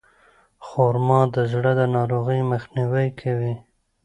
خرما د زړه د ناروغیو مخنیوی کوي.